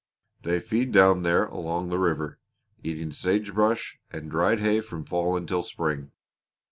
They feed down there along the river, eating sage brush and dried hay from fall until spring.